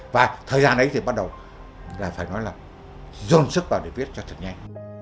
và thời gian ấy thì bắt đầu là phải nói là dồn sức vào để viết cho thật nhanh